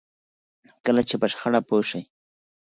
کله چې په شخړه پوه شئ.